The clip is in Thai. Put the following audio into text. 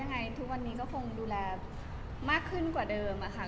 เหมือนกันค่ะ